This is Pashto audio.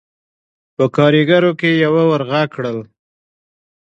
په کارېګرو کې يوه ور غږ کړل: